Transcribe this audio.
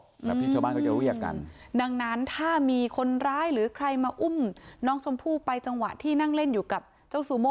แบบที่ชาวบ้านก็จะเรียกกันดังนั้นถ้ามีคนร้ายหรือใครมาอุ้มน้องชมพู่ไปจังหวะที่นั่งเล่นอยู่กับเจ้าซูโม่